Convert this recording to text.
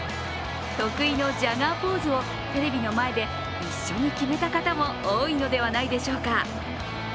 得意のジャガーポーズをテレビの前で一緒に決めた方も多いのではないでしょうか。